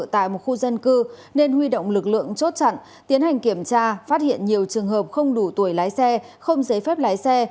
tại một khu dân cư nên huy động lực lượng chốt chặn tiến hành kiểm tra phát hiện nhiều trường hợp không đủ tuổi lái xe không giấy phép lái xe